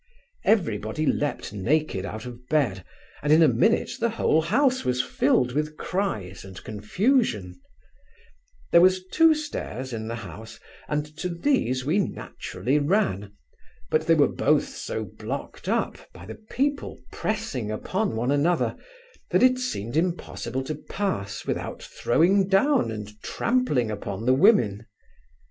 Every body leaped naked out of bed, and in a minute the whole house was filled with cries and confusion There was two stairs in the house, and to these we naturally ran; but they were both so blocked up, by the people pressing one upon another, that it seemed impossible to pass, without throwing down and trampling upon the women.